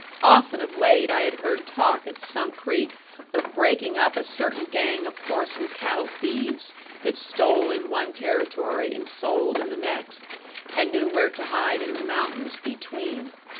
Often of late I had heard talk at Sunk Creek of breaking up a certain gang of horse and cattle thieves that stole in one Territory and sold in the next, and knew where to hide in the mountains between.